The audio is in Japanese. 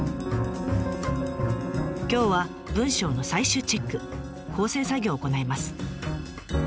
今日は文章の最終チェック校正作業を行います。